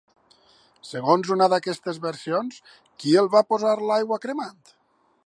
Segons una d'aquestes versions, qui el va posar a l'aigua cremant?